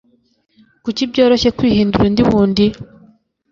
kuki byoroshye kwihindura undi wundi